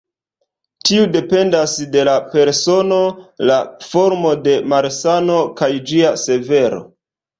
Tiu dependas de la persono, la formo de malsano, kaj ĝia severo.